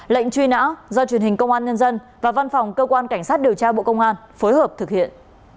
lệnh truy nã do truyền hình công an nhân dân và văn phòng cơ quan cảnh sát điều tra bộ công an phối hợp thực hiện